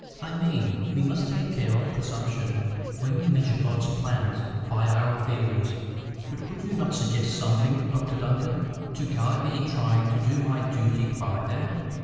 I mean we must take care of presumption when we measure God's plans by our theories. But could you not suggest something, Doctor Duncan, to guide me in trying to do my duty by her?"